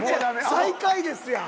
最下位ですやん！